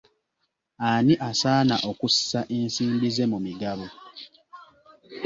Ani asaana okussa ensimbi ze mu migabo?